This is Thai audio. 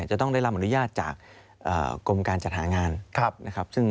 จะต้องได้รับอนุญาตจากกรมการจัดหางานนะครับ